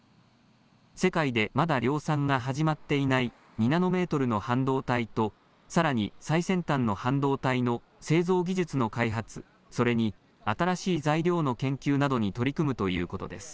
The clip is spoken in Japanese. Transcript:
世界でまだ量産が始まっていない２ナノメートルの半導体と、さらに最先端の半導体の製造技術の開発、それに、新しい材料の研究などに取り組むということです。